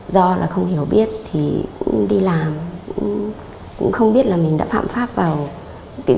do không hiểu biết thì đi làm không biết mình đã phạm pháp vào việc